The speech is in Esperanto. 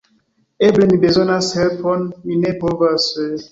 Eble mi bezonas helpon... mi ne povas...